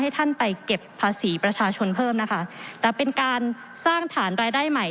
ท่านไปเก็บภาษีประชาชนเพิ่มนะคะแต่เป็นการสร้างฐานรายได้ใหม่